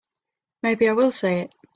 Maybe I will say it.